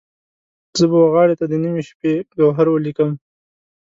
زه به وغاړې ته د نیمې شپې، ګوهر ولیکم